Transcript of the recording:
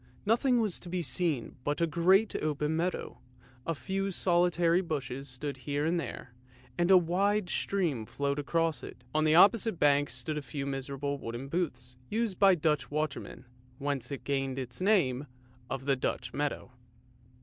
Nothing was to be seen but a great open meadow, a few solitary bushes stood here and there, and a wide stream flowed across it. On the opposite bank stood a few miserable wooden booths used by the Dutch watermen, whence it gained its name of the Dutch meadow.